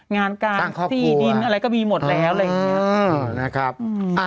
งานการที่ดินอะไรก็มีหมดแล้วอะไรอย่างนี้อ๋อนะครับสร้างครอบครัว